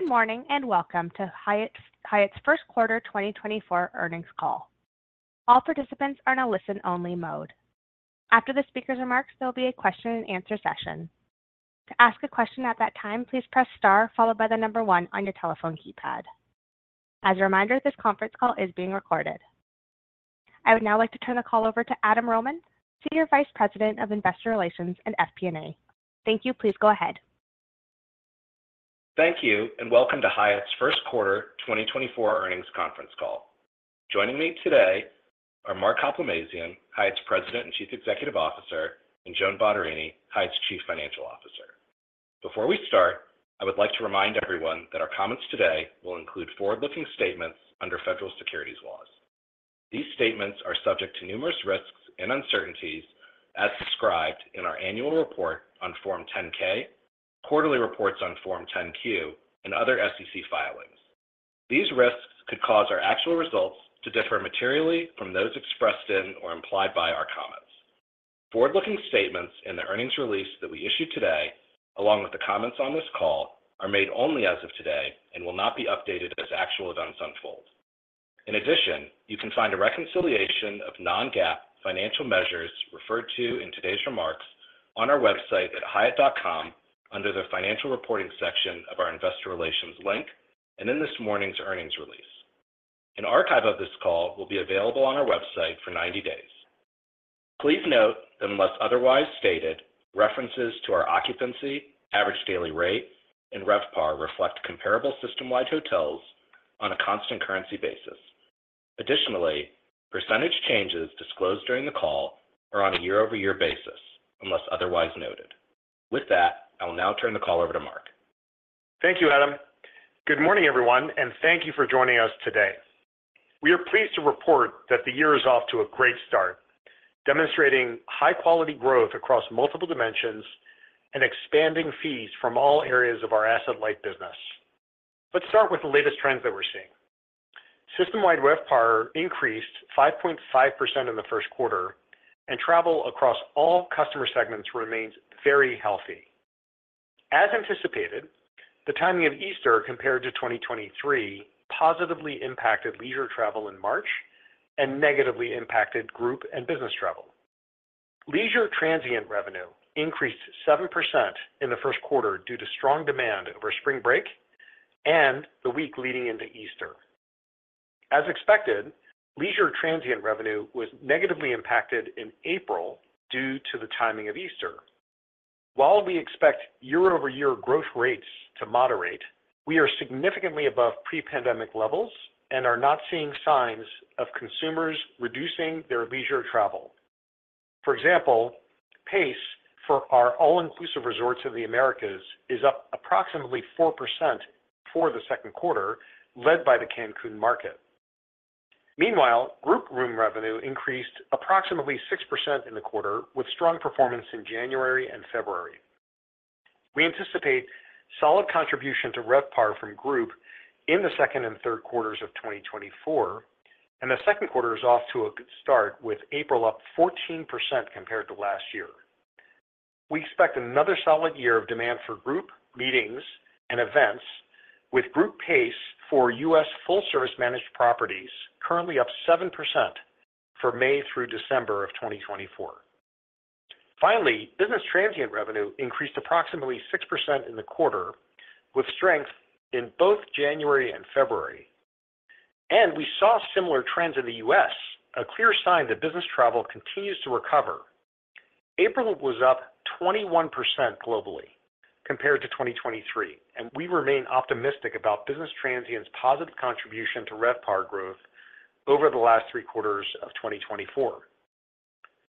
Good morning and welcome to Hyatt's Q1 2024 Earnings Call. All participants are in a listen-only mode. After the speaker's remarks, there will be a question-and-answer session. To ask a question at that time, please press star followed by the number 1 on your telephone keypad. As a reminder, this conference call is being recorded. I would now like to turn the call over to Adam Rohman, Senior Vice President of Investor Relations and FP&A. Thank you. Please go ahead. Thank you and welcome to Hyatt's Q1 2024 earnings conference call. Joining me today are Mark Hoplamazian, Hyatt's President and Chief Executive Officer, and Joan Bottarini, Hyatt's Chief Financial Officer. Before we start, I would like to remind everyone that our comments today will include forward-looking statements under federal securities laws. These statements are subject to numerous risks and uncertainties as described in our annual report on Form 10-K, quarterly reports on Form 10-Q, and other SEC filings. These risks could cause our actual results to differ materially from those expressed in or implied by our comments. Forward-looking statements in the earnings release that we issued today, along with the comments on this call, are made only as of today and will not be updated as actual events unfold. In addition, you can find a reconciliation of non-GAAP financial measures referred to in today's remarks on our website at hyatt.com under the Financial Reporting section of our Investor Relations link and in this morning's earnings release. An archive of this call will be available on our website for 90 days. Please note that unless otherwise stated, references to our occupancy, average daily rate, and RevPAR reflect comparable system-wide hotels on a constant currency basis. Additionally, percentage changes disclosed during the call are on a year-over-year basis unless otherwise noted. With that, I will now turn the call over to Mark. Thank you, Adam. Good morning, everyone, and thank you for joining us today. We are pleased to report that the year is off to a great start, demonstrating high-quality growth across multiple dimensions and expanding fees from all areas of our asset-light business. Let's start with the latest trends that we're seeing. System-wide RevPAR increased 5.5% in the Q1, and travel across all customer segments remains very healthy. As anticipated, the timing of Easter compared to 2023 positively impacted leisure travel in March and negatively impacted group and business travel. Leisure transient revenue increased 7% in the Q1 due to strong demand over spring break and the week leading into Easter. As expected, leisure transient revenue was negatively impacted in April due to the timing of Easter. While we expect year-over-year growth rates to moderate, we are significantly above pre-pandemic levels and are not seeing signs of consumers reducing their leisure travel. For example, pace for our all-inclusive resorts of the Americas is up approximately 4% for the Q2, led by the Cancun market. Meanwhile, group room revenue increased approximately 6% in the quarter, with strong performance in January and February. We anticipate solid contribution to RevPAR from group in the Q2 and Q3s of 2024, and the Q2 is off to a good start with April up 14% compared to last year. We expect another solid year of demand for group meetings and events, with group pace for U.S. full-service managed properties currently up 7% for May through December of 2024. Finally, business transient revenue increased approximately 6% in the quarter, with strength in both January and February. We saw similar trends in the U.S., a clear sign that business travel continues to recover. April was up 21% globally compared to 2023, and we remain optimistic about business transients' positive contribution to RevPAR growth over the last three quarters of 2024.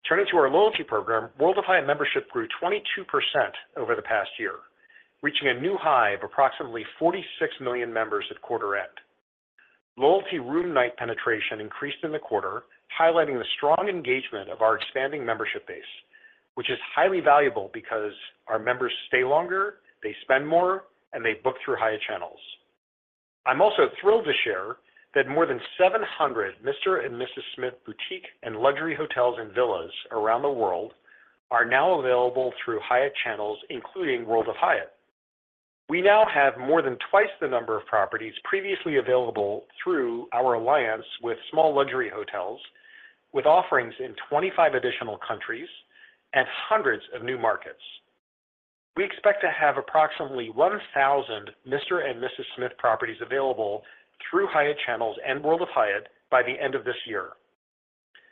Turning to our loyalty program, World of Hyatt membership grew 22% over the past year, reaching a new high of approximately 46 million members at quarter-end. Loyalty room night penetration increased in the quarter, highlighting the strong engagement of our expanding membership base, which is highly valuable because our members stay longer, they spend more, and they book through Hyatt channels. I'm also thrilled to share that more than 700 Mr & Mrs Smith boutique and luxury hotels and villas around the world are now available through Hyatt channels, including World of Hyatt. We now have more than twice the number of properties previously available through our alliance with Small Luxury Hotels of the World, with offerings in 25 additional countries and hundreds of new markets. We expect to have approximately 1,000 Mr & Mrs Smith properties available through Hyatt channels and World of Hyatt by the end of this year.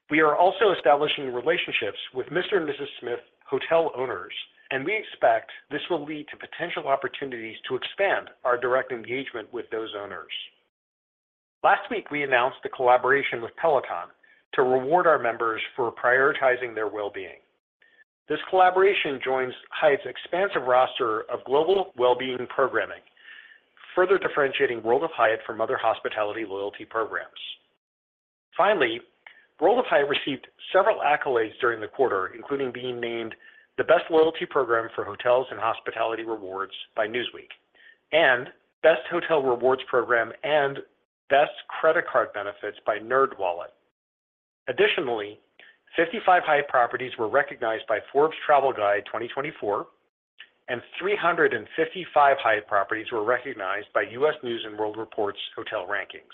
We are also establishing relationships with Mr & Mrs Smith hotel owners, and we expect this will lead to potential opportunities to expand our direct engagement with those owners. Last week, we announced a collaboration with Peloton to reward our members for prioritizing their well-being. This collaboration joins Hyatt's expansive roster of global well-being programming, further differentiating World of Hyatt from other hospitality loyalty programs. Finally, World of Hyatt received several accolades during the quarter, including being named the Best Loyalty Program for Hotels and Hospitality Rewards by Newsweek and Best Hotel Rewards Program and Best Credit Card Benefits by NerdWallet. Additionally, 55 Hyatt properties were recognized by Forbes Travel Guide 2024, and 355 Hyatt properties were recognized by U.S. News and World Report's hotel rankings.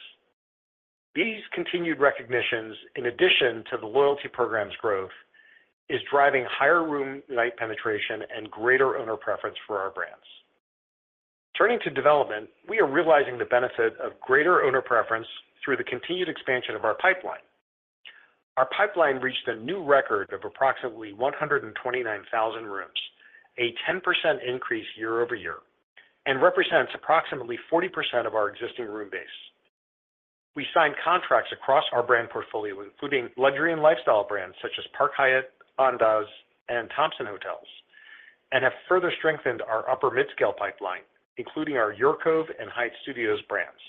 These continued recognitions, in addition to the loyalty program's growth, are driving higher room night penetration and greater owner preference for our brands. Turning to development, we are realizing the benefit of greater owner preference through the continued expansion of our pipeline. Our pipeline reached a new record of approximately 129,000 rooms, a 10% increase year-over-year, and represents approximately 40% of our existing room base. We signed contracts across our brand portfolio, including luxury and lifestyle brands such as Park Hyatt, Andaz, and Thompson Hotels, and have further strengthened our upper-mid-scale pipeline, including our UrCove and Hyatt Studios brands.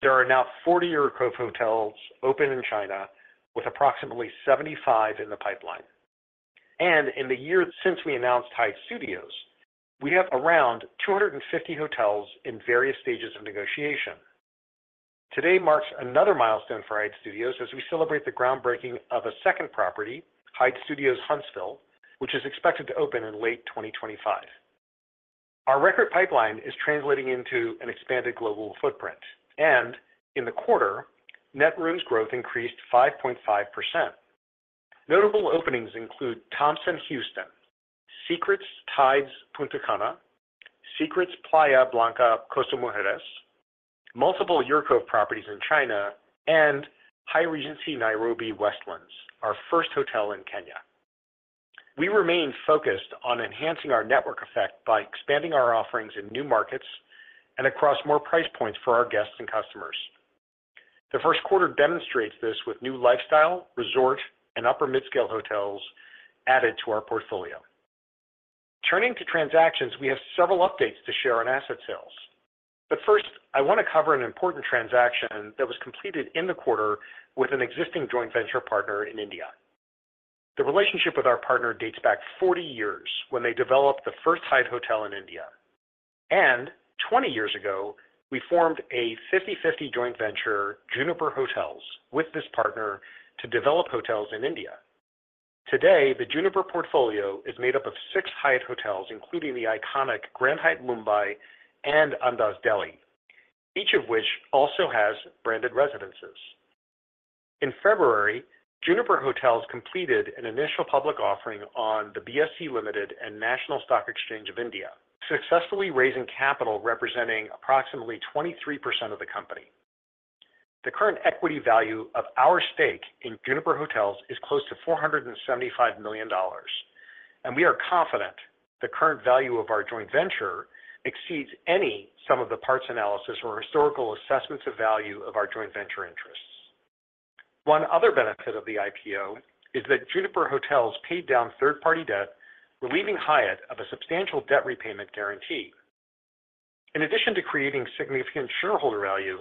There are now 40 UrCove hotels open in China, with approximately 75 in the pipeline. And in the year since we announced Hyatt Studios, we have around 250 hotels in various stages of negotiation. Today marks another milestone for Hyatt Studios as we celebrate the groundbreaking of a second property, Hyatt Studios Huntsville, which is expected to open in late 2025. Our record pipeline is translating into an expanded global footprint, and in the quarter, net rooms growth increased 5.5%. Notable openings include Thompson Houston, Secrets Tides Punta Cana, Secrets Playa Blanca Costa Mujeres, multiple UrCove properties in China, and Hyatt Regency Nairobi Westlands, our first hotel in Kenya. We remain focused on enhancing our network effect by expanding our offerings in new markets and across more price points for our guests and customers. The Q1 demonstrates this with new lifestyle, resort, and upper-mid-scale hotels added to our portfolio. Turning to transactions, we have several updates to share on asset sales. But first, I want to cover an important transaction that was completed in the quarter with an existing joint venture partner in India. The relationship with our partner dates back 40 years, when they developed the first Hyatt hotel in India. And 20 years ago, we formed a 50/50 joint venture, Juniper Hotels, with this partner to develop hotels in India. Today, the Juniper portfolio is made up of six Hyatt hotels, including the iconic Grand Hyatt Mumbai and Andaz Delhi, each of which also has branded residences. In February, Juniper Hotels completed an initial public offering on the BSE Limited and National Stock Exchange of India, successfully raising capital representing approximately 23% of the company. The current equity value of our stake in Juniper Hotels is close to $475 million, and we are confident the current value of our joint venture exceeds any sum of the parts analysis or historical assessments of value of our joint venture interests. One other benefit of the IPO is that Juniper Hotels paid down third-party debt, relieving Hyatt of a substantial debt repayment guarantee. In addition to creating significant shareholder value,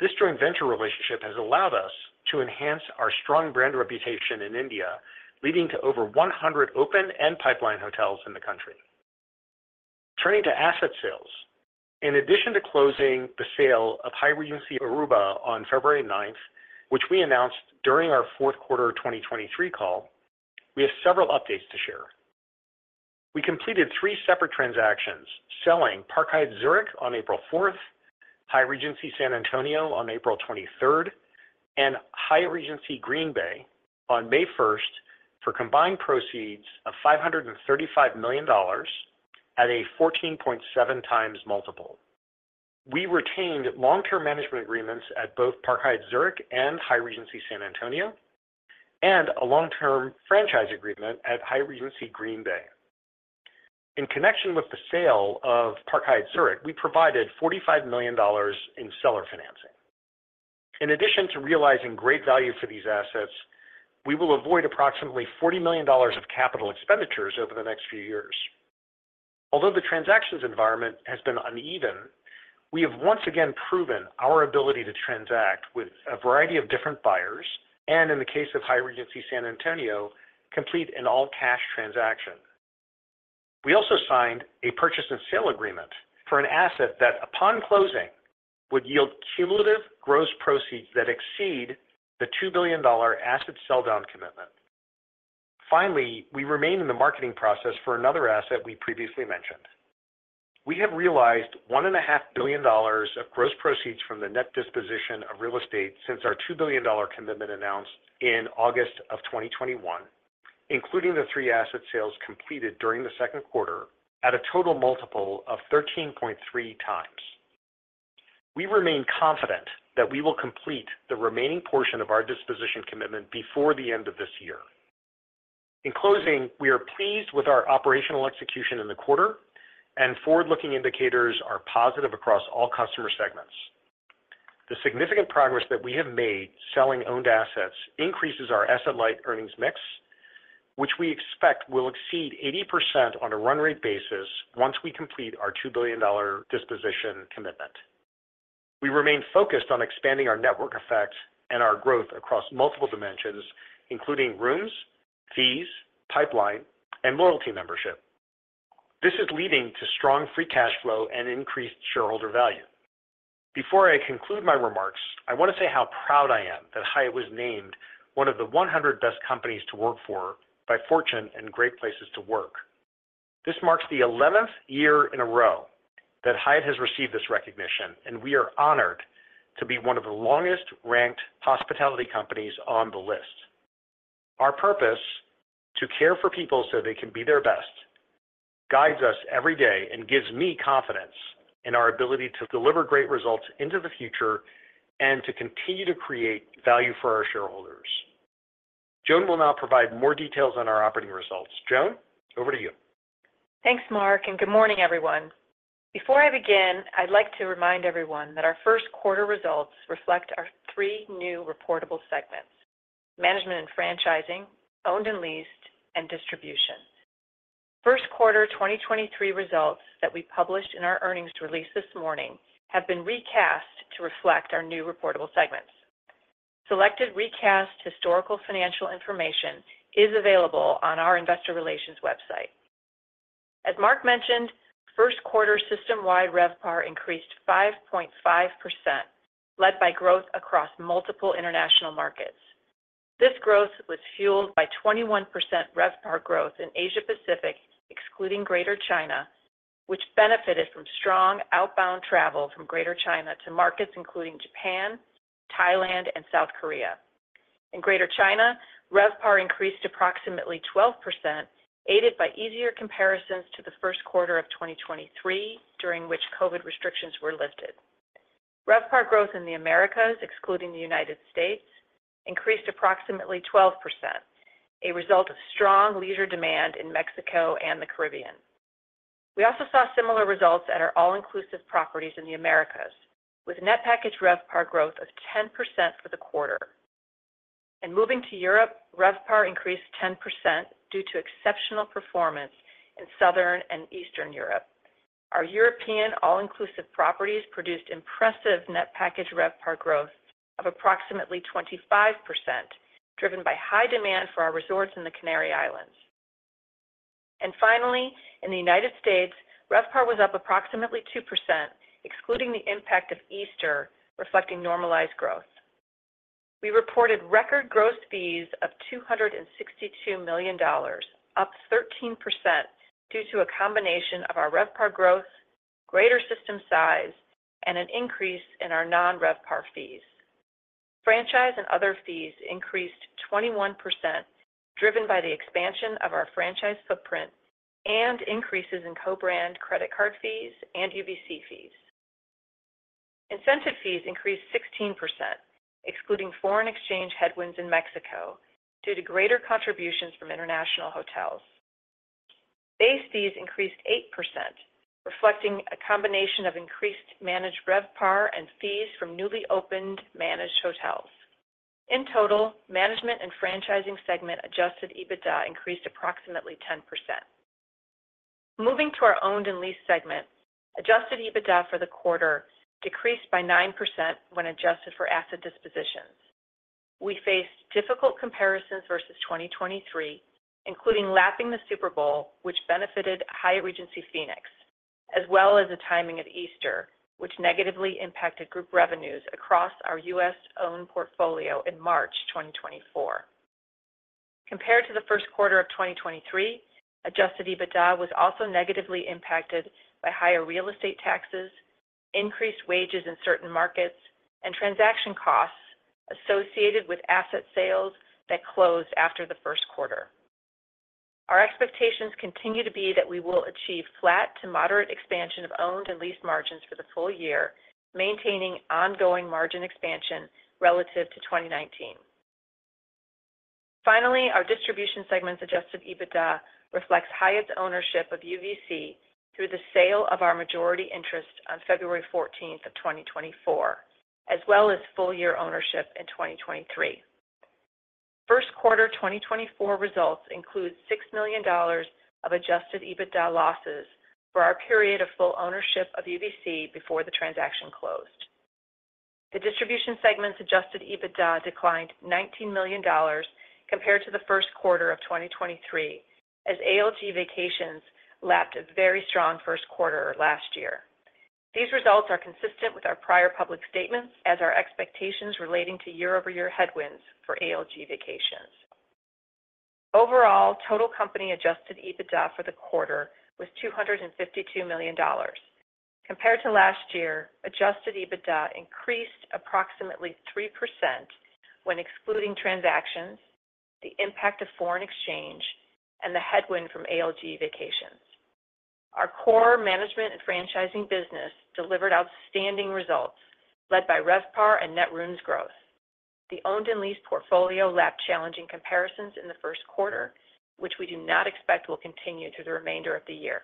this joint venture relationship has allowed us to enhance our strong brand reputation in India, leading to over 100 open and pipeline hotels in the country. Turning to asset sales, in addition to closing the sale of Hyatt Regency Aruba on February 9th, which we announced during our Q4 2023 call, we have several updates to share. We completed three separate transactions: selling Park Hyatt Zurich on April 4th, Hyatt Regency San Antonio on April 23rd, and Hyatt Regency Green Bay on May 1st for combined proceeds of $535 million at a 14.7x multiple. We retained long-term management agreements at both Park Hyatt Zurich and Hyatt Regency San Antonio, and a long-term franchise agreement at Hyatt Regency Green Bay. In connection with the sale of Park Hyatt Zurich, we provided $45 million in seller financing. In addition to realizing great value for these assets, we will avoid approximately $40 million of capital expenditures over the next few years. Although the transactions environment has been uneven, we have once again proven our ability to transact with a variety of different buyers and, in the case of Hyatt Regency San Antonio, complete an all-cash transaction. We also signed a purchase and sale agreement for an asset that, upon closing, would yield cumulative gross proceeds that exceed the $2 billion asset sell-down commitment. Finally, we remain in the marketing process for another asset we previously mentioned. We have realized $1.5 billion of gross proceeds from the net disposition of real estate since our $2 billion commitment announced in August of 2021, including the three asset sales completed during the Q2, at a total multiple of 13.3x. We remain confident that we will complete the remaining portion of our disposition commitment before the end of this year. In closing, we are pleased with our operational execution in the quarter, and forward-looking indicators are positive across all customer segments. The significant progress that we have made selling owned assets increases our asset-light earnings mix, which we expect will exceed 80% on a run-rate basis once we complete our $2 billion disposition commitment. We remain focused on expanding our network effect and our growth across multiple dimensions, including rooms, fees, pipeline, and loyalty membership. This is leading to strong free cash flow and increased shareholder value. Before I conclude my remarks, I want to say how proud I am that Hyatt was named one of the 100 best companies to work for by Fortune and Great Place to Work. This marks the 11th year in a row that Hyatt has received this recognition, and we are honored to be one of the longest-ranked hospitality companies on the list. Our purpose to care for people so they can be their best guides us every day and gives me confidence in our ability to deliver great results into the future and to continue to create value for our shareholders. Joan will now provide more details on our operating results. Joan, over to you. Thanks, Mark, and good morning, everyone. Before I begin, I'd like to remind everyone that our Q1 results reflect our three new reportable segments: management and franchising, owned and leased, and distribution. First quarter 2023 results that we published in our earnings release this morning have been recast to reflect our new reportable segments. Selected recast historical financial information is available on our investor relations website. As Mark mentioned, Q1 system-wide RevPAR increased 5.5%, led by growth across multiple international markets. This growth was fueled by 21% RevPAR growth in Asia Pacific, excluding Greater China, which benefited from strong outbound travel from Greater China to markets including Japan, Thailand, and South Korea. In Greater China, RevPAR increased approximately 12%, aided by easier comparisons to the Q1 of 2023, during which COVID restrictions were lifted. RevPAR growth in the Americas, excluding the United States, increased approximately 12%, a result of strong leisure demand in Mexico and the Caribbean. We also saw similar results at our all-inclusive properties in the Americas, with net package RevPAR growth of 10% for the quarter. And moving to Europe, RevPAR increased 10% due to exceptional performance in Southern and Eastern Europe. Our European all-inclusive properties produced impressive net package RevPAR growths of approximately 25%, driven by high demand for our resorts in the Canary Islands. And finally, in the United States, RevPAR was up approximately 2%, excluding the impact of Easter, reflecting normalized growth. We reported record gross fees of $262 million, up 13% due to a combination of our RevPAR growth, greater system size, and an increase in our non-RevPAR fees. Franchise and other fees increased 21%, driven by the expansion of our franchise footprint and increases in co-brand credit card fees and UVC fees. Incentive fees increased 16%, excluding foreign exchange headwinds in Mexico due to greater contributions from international hotels. Base fees increased 8%, reflecting a combination of increased managed RevPAR and fees from newly opened managed hotels. In total, management and franchising segment adjusted EBITDA increased approximately 10%. Moving to our owned and leased segment, adjusted EBITDA for the quarter decreased by 9% when adjusted for asset dispositions. We faced difficult comparisons versus 2023, including lapping the Super Bowl, which benefited Hyatt Regency Phoenix, as well as the timing of Easter, which negatively impacted group revenues across our U.S.-owned portfolio in March 2024. Compared to the Q1 of 2023, Adjusted EBITDA was also negatively impacted by higher real estate taxes, increased wages in certain markets, and transaction costs associated with asset sales that closed after the Q1. Our expectations continue to be that we will achieve flat to moderate expansion of owned and leased margins for the full year, maintaining ongoing margin expansion relative to 2019. Finally, our distribution segment's Adjusted EBITDA reflects Hyatt's ownership of UVC through the sale of our majority interest on February 14th of 2024, as well as full-year ownership in 2023. Q1 2024 results include $6 million of adjusted EBITDA losses for our period of full ownership of UVC before the transaction closed. The distribution segment's adjusted EBITDA declined $19 million compared to the Q1 of 2023, as ALG Vacations lapped a very strong Q1 last year. These results are consistent with our prior public statements, as are expectations relating to year-over-year headwinds for ALG Vacations. Overall, total company adjusted EBITDA for the quarter was $252 million. Compared to last year, adjusted EBITDA increased approximately 3% when excluding transactions, the impact of foreign exchange, and the headwind from ALG Vacations. Our core management and franchising business delivered outstanding results, led by RevPAR and net rooms growth. The owned and leased portfolio lapped challenging comparisons in the Q1, which we do not expect will continue through the remainder of the year.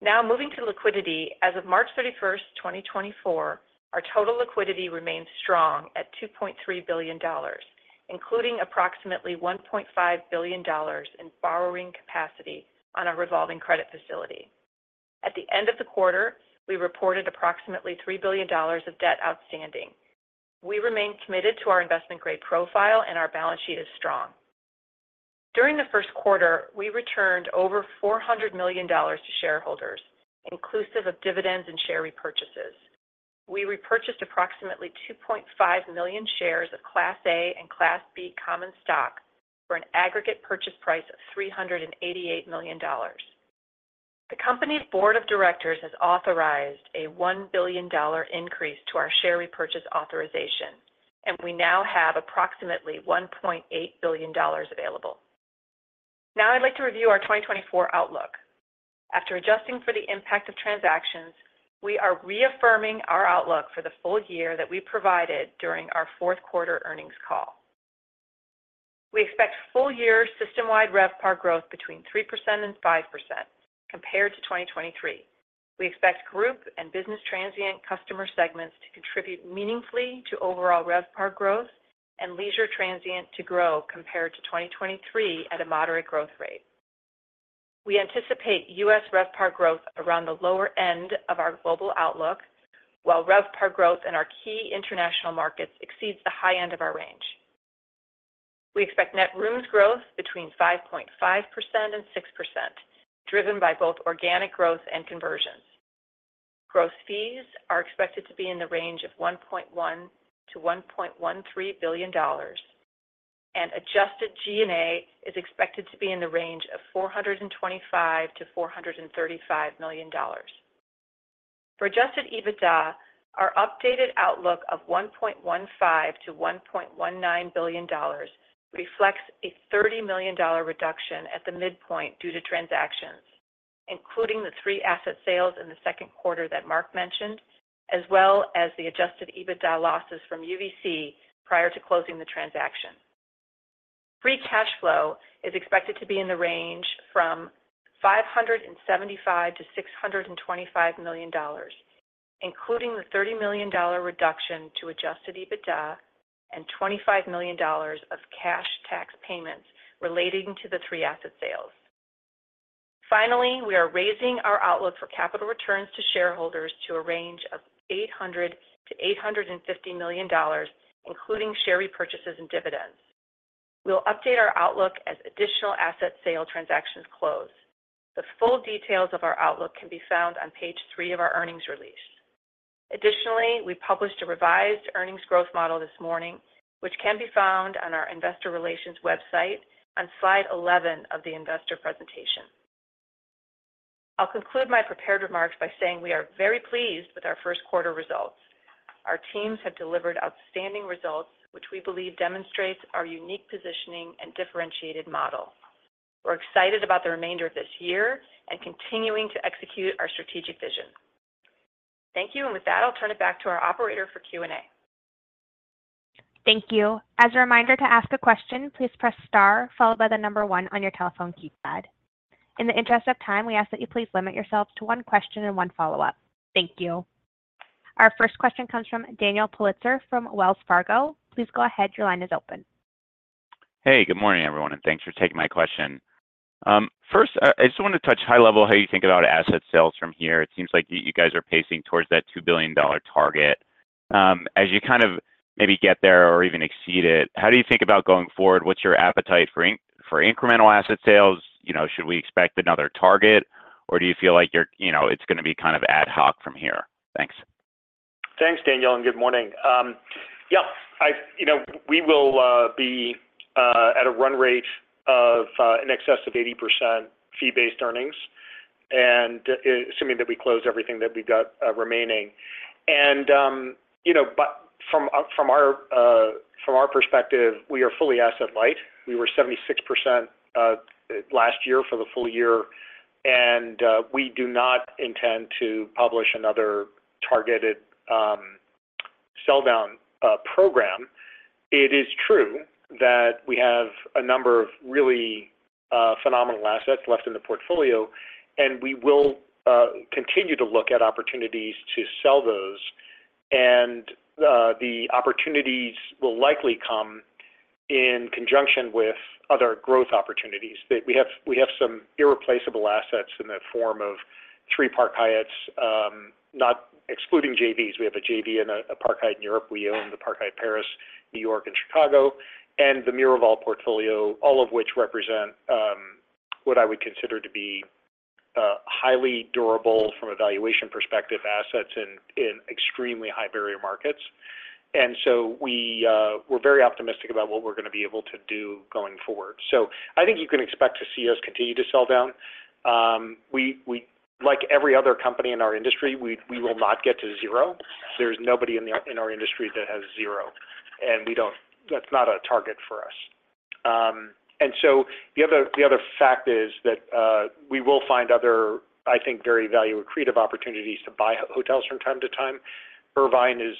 Now, moving to liquidity, as of March 31st, 2024, our total liquidity remains strong at $2.3 billion, including approximately $1.5 billion in borrowing capacity on our revolving credit facility. At the end of the quarter, we reported approximately $3 billion of debt outstanding. We remain committed to our investment-grade profile, and our balance sheet is strong. During the Q1, we returned over $400 million to shareholders, inclusive of dividends and share repurchases. We repurchased approximately 2.5 million shares of Class A and Class B common stock for an aggregate purchase price of $388 million. The company's board of directors has authorized a $1 billion increase to our share repurchase authorization, and we now have approximately $1.8 billion available. Now, I'd like to review our 2024 outlook. After adjusting for the impact of transactions, we are reaffirming our outlook for the full year that we provided during our Q4 earnings call. We expect full-year system-wide RevPAR growth between 3% and 5% compared to 2023. We expect group and business transient customer segments to contribute meaningfully to overall RevPAR growth, and leisure transient to grow compared to 2023 at a moderate growth rate. We anticipate U.S. RevPAR growth around the lower end of our global outlook, while RevPAR growth in our key international markets exceeds the high end of our range. We expect net rooms growth between 5.5% and 6%, driven by both organic growth and conversions. Gross fees are expected to be in the range of $1.1-$1.13 billion, and Adjusted G&A is expected to be in the range of $425-$435 million. For Adjusted EBITDA, our updated outlook of $1.15-1.19 billion reflects a $30 million reduction at the midpoint due to transactions, including the three asset sales in the Q2 that Mark mentioned, as well as the Adjusted EBITDA losses from UVC prior to closing the transaction. Free cash flow is expected to be in the range from $575-$625 million, including the $30 million reduction to Adjusted EBITDA and $25 million of cash tax payments relating to the three asset sales. Finally, we are raising our outlook for capital returns to shareholders to a range of $800-$850 million, including share repurchases and dividends. We'll update our outlook as additional asset sale transactions close. The full details of our outlook can be found on page three of our earnings release. Additionally, we published a revised earnings growth model this morning, which can be found on our investor relations website on slide 11 of the investor presentation. I'll conclude my prepared remarks by saying we are very pleased with our Q1 results. Our teams have delivered outstanding results, which we believe demonstrates our unique positioning and differentiated model. We're excited about the remainder of this year and continuing to execute our strategic vision. Thank you, and with that, I'll turn it back to our operator for Q&A. Thank you. As a reminder to ask a question, please press star followed by the number 1 on your telephone keypad. In the interest of time, we ask that you please limit yourselves to one question and one follow-up. Thank you. Our first question comes from Daniel Politzer from Wells Fargo. Please go ahead. Your line is open. Hey, good morning, everyone, and thanks for taking my question. First, I just want to touch high level how you think about asset sales from here. It seems like you guys are pacing towards that $2 billion target. As you kind of maybe get there or even exceed it, how do you think about going forward? What's your appetite for incremental asset sales? Should we expect another target, or do you feel like it's going to be kind of ad hoc from here? Thanks. Thanks, Daniel, and good morning. Yeah, we will be at a run rate of in excess of 80% fee-based earnings, assuming that we close everything that we've got remaining. From our perspective, we are fully asset-light. We were 76% last year for the full year, and we do not intend to publish another targeted sell-down program. It is true that we have a number of really phenomenal assets left in the portfolio, and we will continue to look at opportunities to sell those. The opportunities will likely come in conjunction with other growth opportunities. We have some irreplaceable assets in the form of three Park Hyatts, not excluding JVs. We have a JV and a Park Hyatt in Europe. We own the Park Hyatt Paris, New York, and Chicago, and the Miraval portfolio, all of which represent what I would consider to be highly durable from valuation perspective assets in extremely high barrier markets. So we're very optimistic about what we're going to be able to do going forward. I think you can expect to see us continue to sell down. Like every other company in our industry, we will not get to zero. There's nobody in our industry that has zero, and that's not a target for us. And so the other fact is that we will find other, I think, very value-accretive opportunities to buy hotels from time to time. Irvine is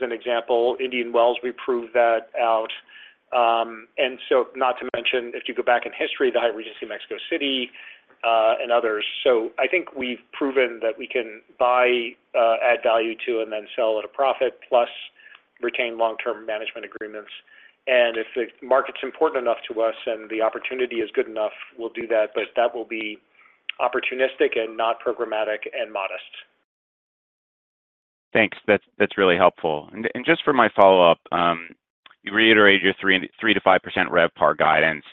an example. Indian Wells, we proved that out. And so not to mention, if you go back in history, the Hyatt Regency Mexico City and others. So I think we've proven that we can add value to and then sell at a profit plus retain long-term management agreements. And if the market's important enough to us and the opportunity is good enough, we'll do that, but that will be opportunistic and not programmatic and modest. Thanks. That's really helpful. And just for my follow-up, you reiterated your 3%-5% RevPAR guidance.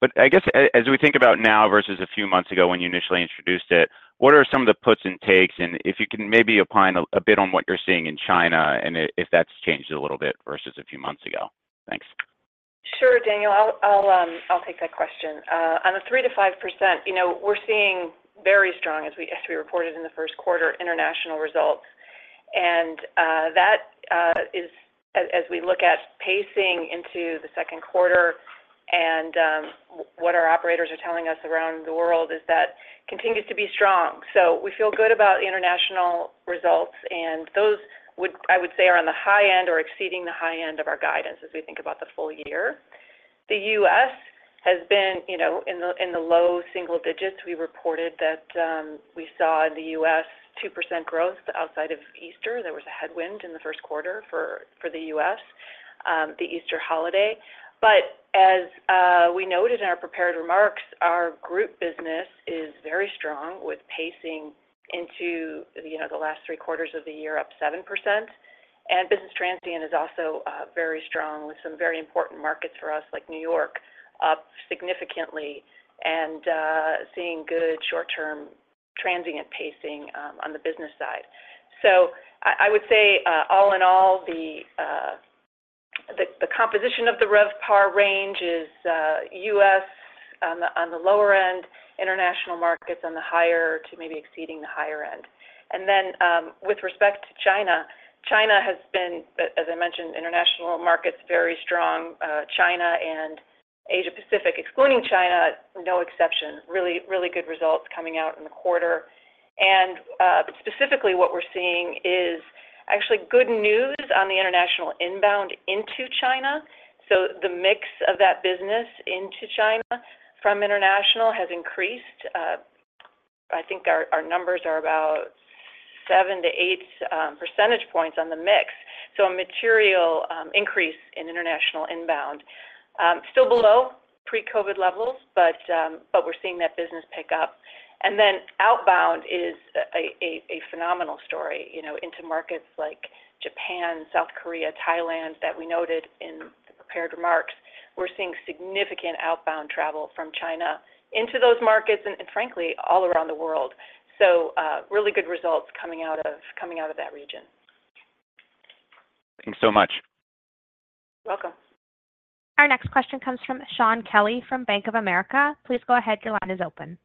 But I guess, as we think about now versus a few months ago when you initially introduced it, what are some of the puts and takes? And if you can maybe opine a bit on what you're seeing in China and if that's changed a little bit versus a few months ago. Thanks. Sure, Daniel. I'll take that question. On the 3%-5%, we're seeing very strong, as we reported in the Q1, international results. And that is, as we look at pacing into the Q2 and what our operators are telling us around the world, is that continues to be strong. So we feel good about international results, and those, I would say, are on the high end or exceeding the high end of our guidance as we think about the full year. The U.S. has been in the low single digits. We reported that we saw in the U.S. 2% growth outside of Easter. There was a headwind in the Q1 for the U.S., the Easter holiday. But as we noted in our prepared remarks, our group business is very strong with pacing into the last three quarters of the year up 7%. And business transient is also very strong with some very important markets for us like New York up significantly and seeing good short-term transient pacing on the business side. So I would say, all in all, the composition of the RevPAR range is U.S. on the lower end, international markets on the higher to maybe exceeding the higher end. And then with respect to China, China has been, as I mentioned, international markets very strong. China and Asia-Pacific, excluding China, no exception, really good results coming out in the quarter. And specifically, what we're seeing is actually good news on the international inbound into China. So the mix of that business into China from international has increased. I think our numbers are about 7-8 percentage points on the mix, so a material increase in international inbound. Still below pre-COVID levels, but we're seeing that business pick up. And then outbound is a phenomenal story into markets like Japan, South Korea, Thailand that we noted in the prepared remarks. We're seeing significant outbound travel from China into those markets and, frankly, all around the world. So really good results coming out of that region. Thanks so much. Welcome. Our next question comes from Shaun Kelley from Bank of America. Please go ahead. Your line is open.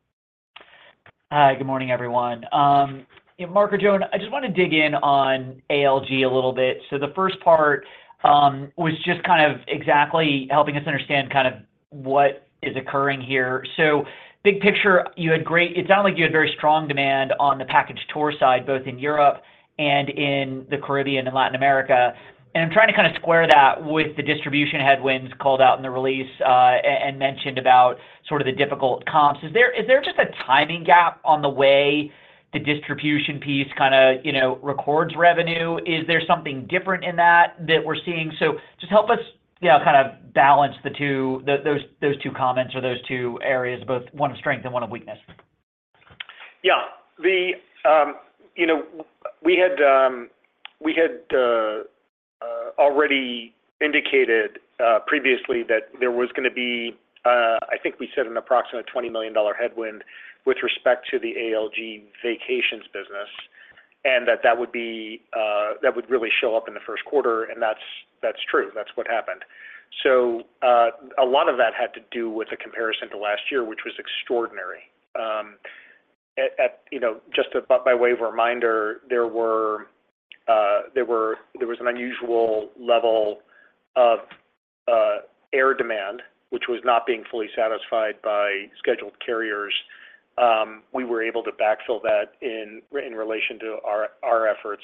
Hi. Good morning, everyone. Mark and Joan, I just want to dig in on ALG a little bit. So the first part was just kind of exactly helping us understand kind of what is occurring here. So big picture, you had great it sounded like you had very strong demand on the package tour side, both in Europe and in the Caribbean and Latin America. And I'm trying to kind of square that with the distribution headwinds called out in the release and mentioned about sort of the difficult comps. Is there just a timing gap on the way the distribution piece kind of records revenue? Is there something different in that that we're seeing? So just help us kind of balance those two comments or those two areas, both one of strength and one of weakness. Yeah. We had already indicated previously that there was going to be, I think we said, an approximate $20 million headwind with respect to the ALG Vacations business and that that would really show up in the Q1. That's true. That's what happened. A lot of that had to do with a comparison to last year, which was extraordinary. Just by way of a reminder, there was an unusual level of air demand, which was not being fully satisfied by scheduled carriers. We were able to backfill that in relation to our efforts.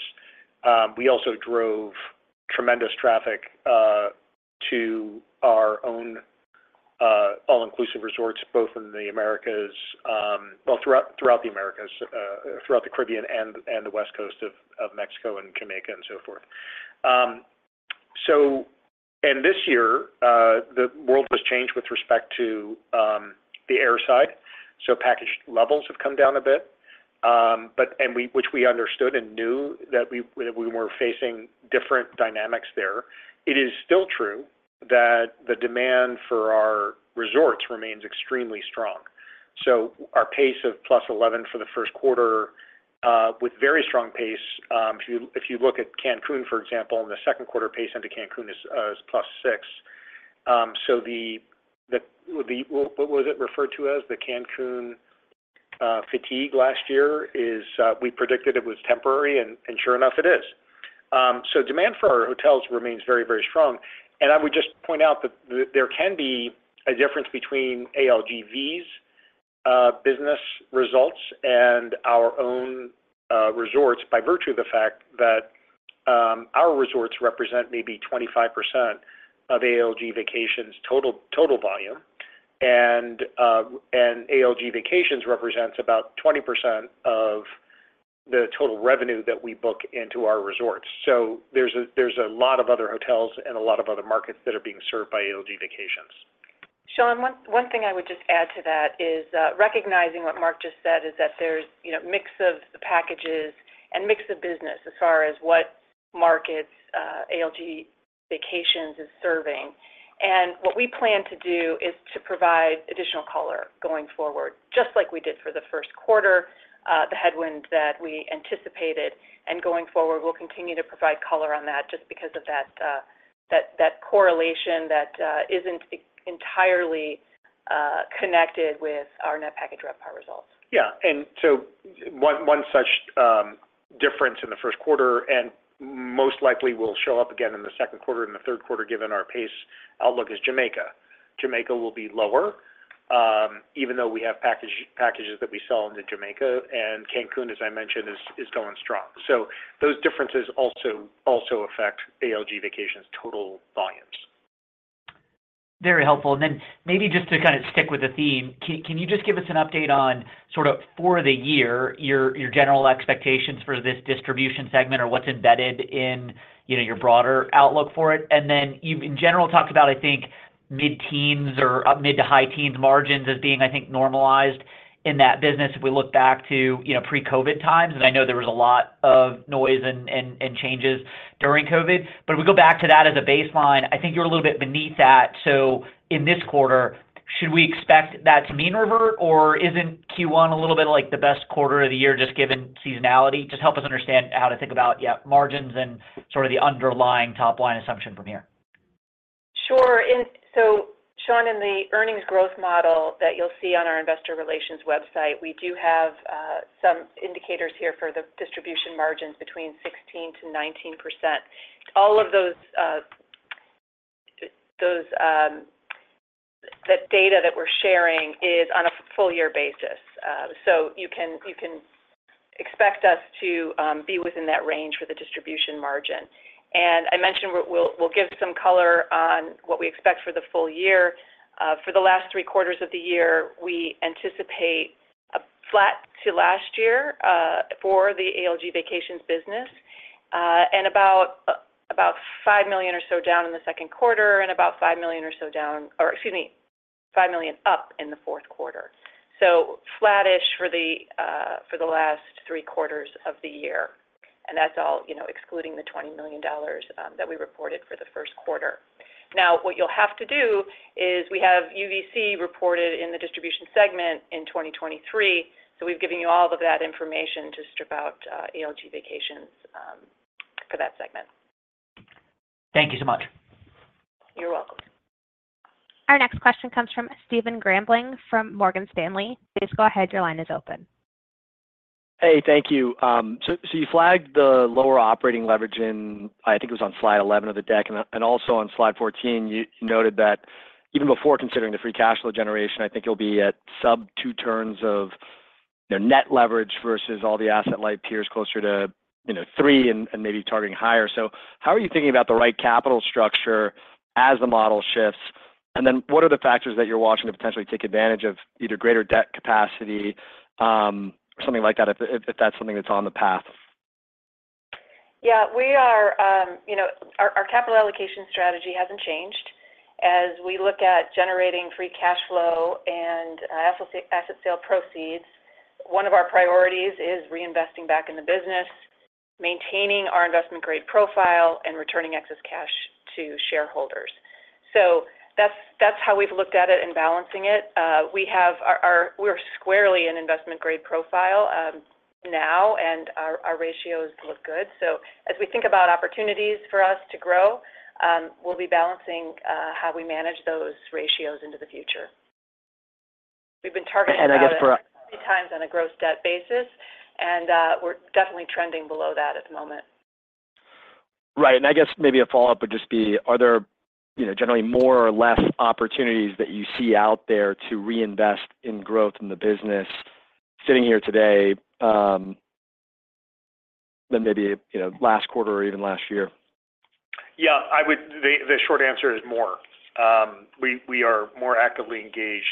We also drove tremendous traffic to our own all-inclusive resorts, both in the Americas, well, throughout the Americas, throughout the Caribbean and the West Coast of Mexico and Jamaica and so forth. This year, the world has changed with respect to the air side. So package levels have come down a bit, which we understood and knew that we were facing different dynamics there. It is still true that the demand for our resorts remains extremely strong. So our pace of +11 for the Q1 with very strong pace if you look at Cancun, for example, in the Q2, pace into Cancun is +6. So what was it referred to as? The Cancun fatigue last year? We predicted it was temporary, and sure enough, it is. So demand for our hotels remains very, very strong. And I would just point out that there can be a difference between ALG Vacations' business results and our own resorts by virtue of the fact that our resorts represent maybe 25% of ALG Vacations total volume, and ALG Vacations represents about 20% of the total revenue that we book into our resorts. So there's a lot of other hotels and a lot of other markets that are being served by ALG Vacations. Shaun, one thing I would just add to that is recognizing what Mark just said is that there's mix of the packages and mix of business as far as what markets ALG Vacations is serving. And what we plan to do is to provide additional color going forward, just like we did for the Q1, the headwind that we anticipated. And going forward, we'll continue to provide color on that just because of that correlation that isn't entirely connected with our net package RevPAR results. Yeah. And so one such difference in the Q1 and most likely will show up again in the Q2 and the Q3 given our pace outlook is Jamaica. Jamaica will be lower even though we have packages that we sell into Jamaica. Cancun, as I mentioned, is going strong. Those differences also affect ALG Vacations total volumes. Very helpful. Then maybe just to kind of stick with the theme, can you just give us an update on sort of for the year, your general expectations for this distribution segment or what's embedded in your broader outlook for it? Then you've, in general, talked about, I think, mid-teens or mid to high-teens margins as being, I think, normalized in that business if we look back to pre-COVID times. I know there was a lot of noise and changes during COVID. If we go back to that as a baseline, I think you're a little bit beneath that. In this quarter, should we expect that to mean revert, or isn't Q1 a little bit like the best quarter of the year just given seasonality? Just help us understand how to think about margins and sort of the underlying top-line assumption from here. Sure. Shaun, in the earnings growth model that you'll see on our investor relations website, we do have some indicators here for the distribution margins between 16%-19%. All of that data that we're sharing is on a full-year basis. You can expect us to be within that range for the distribution margin. I mentioned we'll give some color on what we expect for the full year. For the last three quarters of the year, we anticipate a flat to last year for the ALG Vacations business and about $5 million or so down in the Q2 and about $5 million or so down or excuse me, $5 million up in the Q4. So flat-ish for the last three quarters of the year. That's all excluding the $20 million that we reported for the Q1. Now, what you'll have to do is we have UVC reported in the distribution segment in 2023. So we've given you all of that information to strip out ALG Vacations for that segment. Thank you so much. You're welcome. Our next question comes from Stephen Grambling from Morgan Stanley. Please go ahead. Your line is open. Hey. Thank you. So you flagged the lower operating leverage in I think it was on slide 11 of the deck. Also on slide 14, you noted that even before considering the free cash flow generation, I think you'll be at sub-2 turns of net leverage versus all the asset-light peers closer to 3 and maybe targeting higher. So how are you thinking about the right capital structure as the model shifts? And then what are the factors that you're watching to potentially take advantage of either greater debt capacity or something like that if that's something that's on the path? Yeah. Our capital allocation strategy hasn't changed. As we look at generating free cash flow and asset sale proceeds, one of our priorities is reinvesting back in the business, maintaining our investment-grade profile, and returning excess cash to shareholders. So that's how we've looked at it and balancing it. We're squarely in investment-grade profile now, and our ratios look good. So as we think about opportunities for us to grow, we'll be balancing how we manage those ratios into the future. We've been targeting that 3x on a gross debt basis, and we're definitely trending below that at the moment. Right. And I guess maybe a follow-up would just be, are there generally more or less opportunities that you see out there to reinvest in growth in the business sitting here today than maybe last quarter or even last year? Yeah. The short answer is more. We are more actively engaged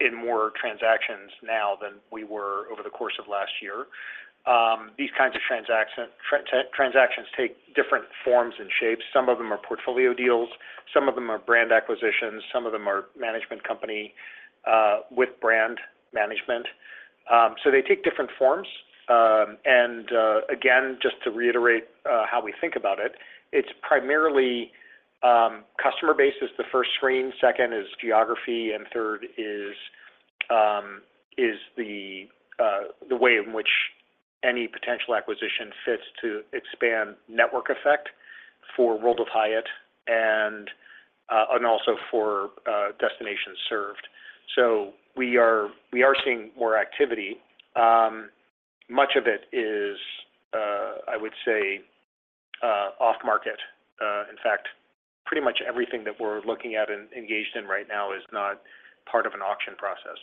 in more transactions now than we were over the course of last year. These kinds of transactions take different forms and shapes. Some of them are portfolio deals. Some of them are brand acquisitions. Some of them are management company with brand management. So they take different forms. Again, just to reiterate how we think about it, it's primarily customer base is the first screen. Second is geography. And third is the way in which any potential acquisition fits to expand network effect for World of Hyatt and also for Destination by Hyatt. So we are seeing more activity. Much of it is, I would say, off-market. In fact, pretty much everything that we're looking at and engaged in right now is not part of an auction process.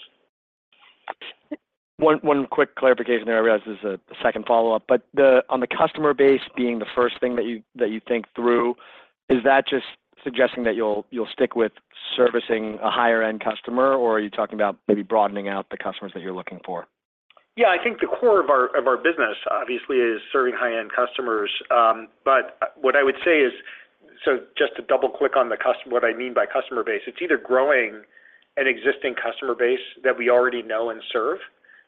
One quick clarification there. I realize this is a second follow-up. But on the customer base being the first thing that you think through, is that just suggesting that you'll stick with servicing a higher-end customer, or are you talking about maybe broadening out the customers that you're looking for? Yeah. I think the core of our business, obviously, is serving high-end customers. But what I would say is, so just to double-click on what I mean by customer base, it's either growing an existing customer base that we already know and serve.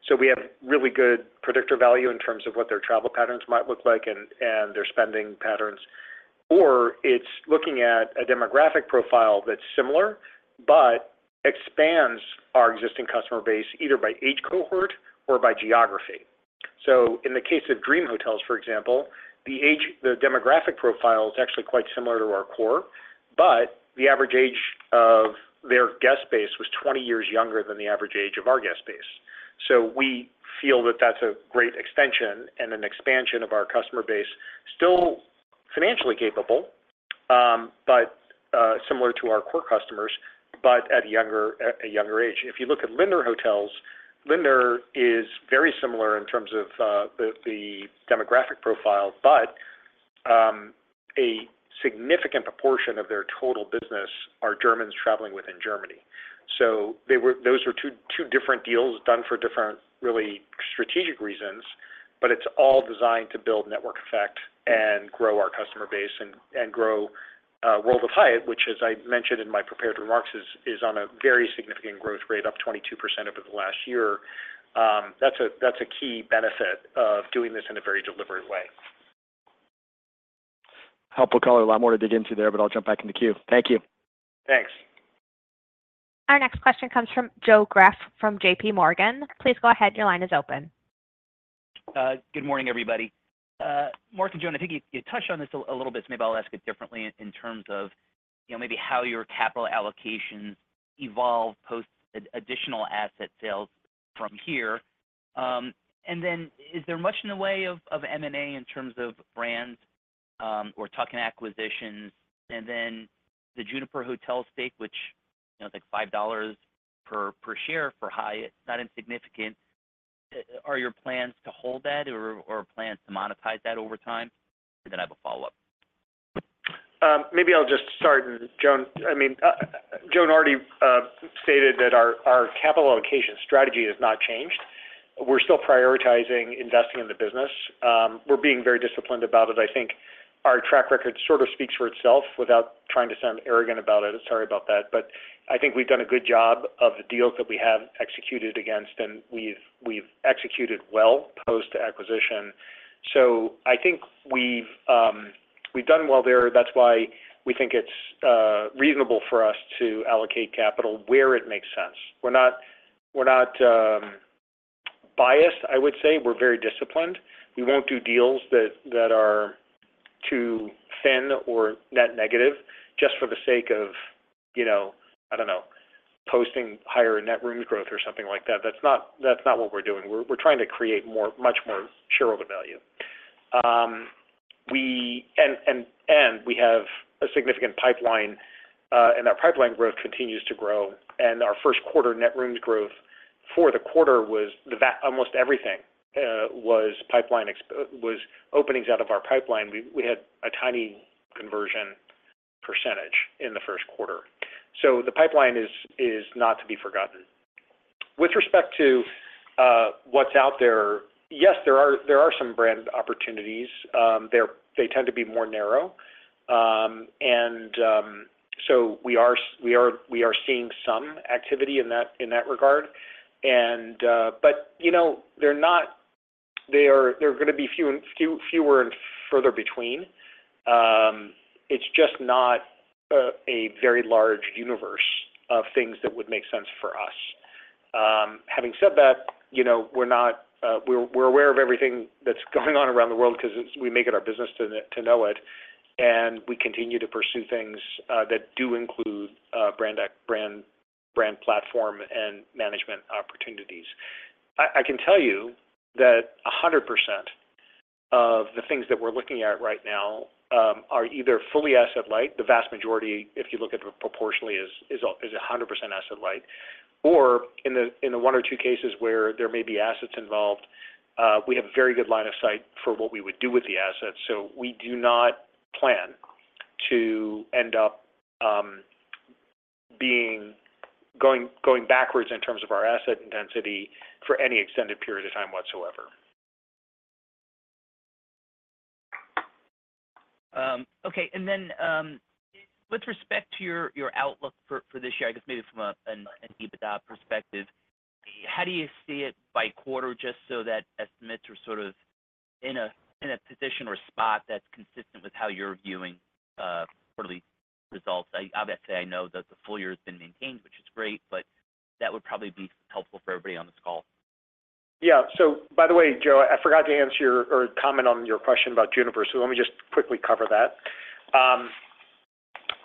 So we have really good predictive value in terms of what their travel patterns might look like and their spending patterns. Or it's looking at a demographic profile that's similar but expands our existing customer base either by age cohort or by geography. So in the case of Dream Hotels, for example, the demographic profile is actually quite similar to our core, but the average age of their guest base was 20 years younger than the average age of our guest base. So we feel that that's a great extension and an expansion of our customer base, still financially capable but similar to our core customers but at a younger age. If you look at Lindner Hotels, Lindner is very similar in terms of the demographic profile, but a significant proportion of their total business are Germans traveling within Germany. So those were two different deals done for different really strategic reasons, but it's all designed to build network effect and grow our customer base and grow World of Hyatt, which, as I mentioned in my prepared remarks, is on a very significant growth rate, up 22% over the last year. That's a key benefit of doing this in a very deliberate way. Helpful caller. A lot more to dig into there, but I'll jump back into queue. Thank you. Thanks. Our next question comes from Joe Greff from J.P. Morgan. Please go ahead. Your line is open. Good morning, everybody. Joan, I think you touched on this a little bit, so maybe I'll ask it differently in terms of maybe how your capital allocations evolve post-additional asset sales from here. And then is there much in the way of M&A in terms of brands or tuck-in acquisitions? And then the Juniper Hotels stake, which is like $5 per share for Hyatt, not insignificant. Are your plans to hold that or plans to monetize that over time? And then I have a follow-up. Maybe I'll just start. I mean, Joan already stated that our capital allocation strategy has not changed. We're still prioritizing investing in the business. We're being very disciplined about it. I think our track record sort of speaks for itself without trying to sound arrogant about it. Sorry about that. But I think we've done a good job of the deals that we have executed against, and we've executed well post-acquisition. So I think we've done well there. That's why we think it's reasonable for us to allocate capital where it makes sense. We're not biased, I would say. We're very disciplined. We won't do deals that are too thin or net negative just for the sake of, I don't know, posting higher net rooms growth or something like that. That's not what we're doing. We're trying to create much more shareholder value. And we have a significant pipeline, and that pipeline growth continues to grow. And our Q1 net rooms growth for the quarter was almost everything was openings out of our pipeline. We had a tiny conversion percentage in the Q1. So the pipeline is not to be forgotten. With respect to what's out there, yes, there are some brand opportunities. They tend to be more narrow. And so we are seeing some activity in that regard. But they're going to be fewer and further between. It's just not a very large universe of things that would make sense for us. Having said that, we're aware of everything that's going on around the world because we make it our business to know it. And we continue to pursue things that do include brand platform and management opportunities. I can tell you that 100% of the things that we're looking at right now are either fully asset-light. The vast majority, if you look at it proportionally, is 100% asset-light. Or in the one or two cases where there may be assets involved, we have a very good line of sight for what we would do with the assets. So we do not plan to end up going backwards in terms of our asset intensity for any extended period of time whatsoever. Okay. And then with respect to your outlook for this year, I guess maybe from an EBITDA perspective, how do you see it by quarter just so that estimates are sort of in a position or spot that's consistent with how you're viewing quarterly results? Obviously, I know that the full year has been maintained, which is great, but that would probably be helpful for everybody on this call. Yeah. So by the way, Joe, I forgot to answer your comment on your question about Juniper. So let me just quickly cover that.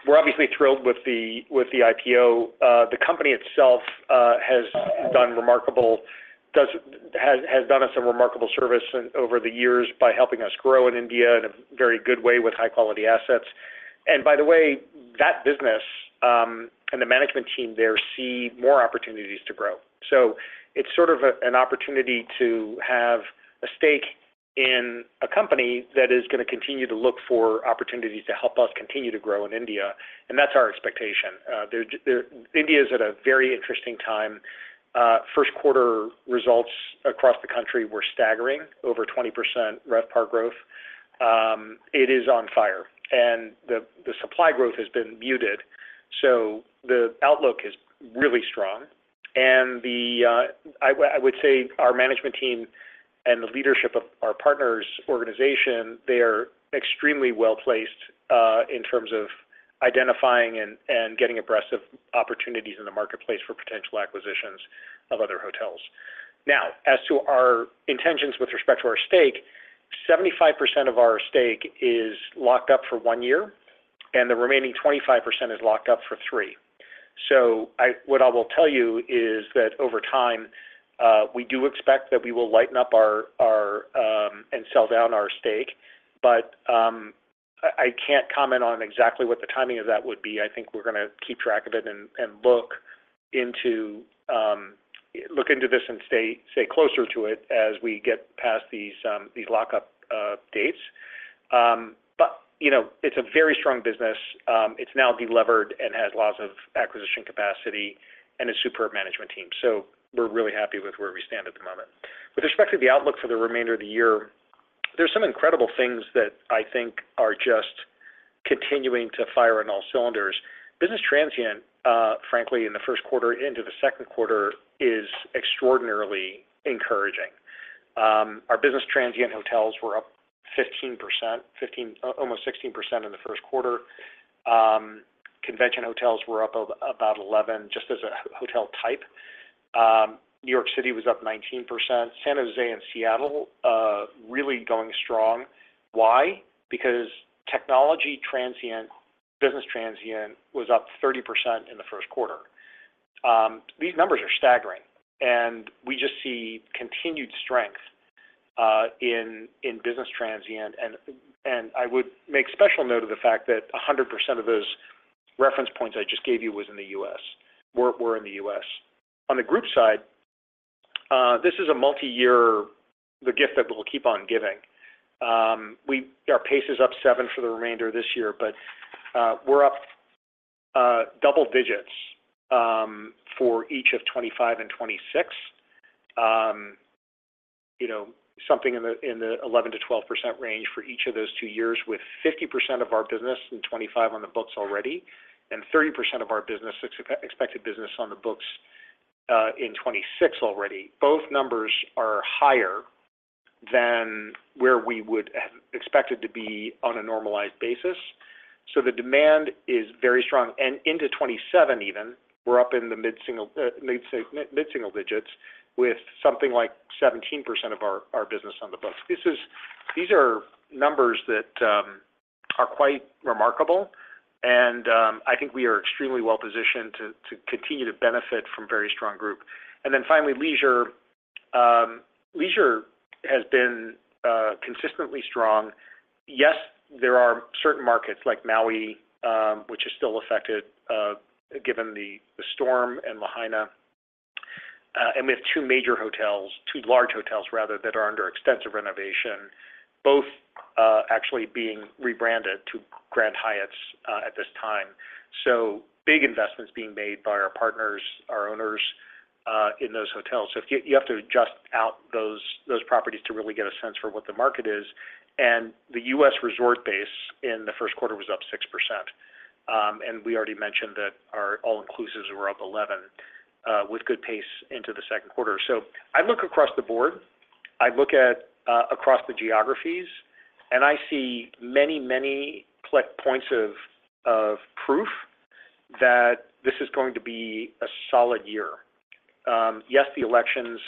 We're obviously thrilled with the IPO. The company itself has done us a remarkable service over the years by helping us grow in India in a very good way with high-quality assets. And by the way, that business and the management team there see more opportunities to grow. So it's sort of an opportunity to have a stake in a company that is going to continue to look for opportunities to help us continue to grow in India. And that's our expectation. India is at a very interesting time. First quarter results across the country were staggering, over 20% RevPAR growth. It is on fire. And the supply growth has been muted. So the outlook is really strong. And I would say our management team and the leadership of our partner's organization, they are extremely well-placed in terms of identifying and getting abreast of opportunities in the marketplace for potential acquisitions of other hotels. Now, as to our intentions with respect to our stake, 75% of our stake is locked up for 1 year, and the remaining 25% is locked up for 3. So what I will tell you is that over time, we do expect that we will lighten up and sell down our stake. But I can't comment on exactly what the timing of that would be. I think we're going to keep track of it and look into this and stay closer to it as we get past these lockup dates. But it's a very strong business. It's now delevered and has lots of acquisition capacity and a superb management team. So we're really happy with where we stand at the moment. With respect to the outlook for the remainder of the year, there's some incredible things that I think are just continuing to fire on all cylinders. Business transient, frankly, in the Q1 into the Q2 is extraordinarily encouraging. Our business transient hotels were up 15%, almost 16% in the Q1. Convention hotels were up about 11% just as a hotel type. New York City was up 19%. San Jose and Seattle really going strong. Why? Because business transient was up 30% in the Q1. These numbers are staggering. And we just see continued strength in business transient. And I would make special note of the fact that 100% of those reference points I just gave you were in the U.S. On the group side, this is a multi-year gift that we'll keep on giving. Our pace is up 7% for the remainder of this year, but we're up double digits for each of 2025 and 2026, something in the 11%-12% range for each of those two years, with 50% of our business in 2025 on the books already and 30% of our expected business on the books in 2026 already. Both numbers are higher than where we would have expected to be on a normalized basis. So the demand is very strong. And into 2027 even, we're up in the mid-single digits with something like 17% of our business on the books. These are numbers that are quite remarkable. And I think we are extremely well-positioned to continue to benefit from a very strong group. And then finally, leisure has been consistently strong. Yes, there are certain markets like Maui, which is still affected given the storm and Lahaina. We have two major hotels, two large hotels rather, that are under extensive renovation, both actually being rebranded to Grand Hyatts at this time. So big investments being made by our partners, our owners in those hotels. So you have to adjust out those properties to really get a sense for what the market is. And the U.S. resort base in the Q1 was up 6%. And we already mentioned that our all-inclusives were up 11% with good pace into the Q2. So I look across the board. I look across the geographies, and I see many, many points of proof that this is going to be a solid year. Yes, the elections